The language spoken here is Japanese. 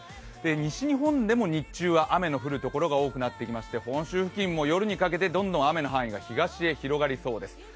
西日本でも日中は雨の降るところが多くなってきまして、本州付近も夜にかけて雨の付近がどんどん東へ広がりそうです。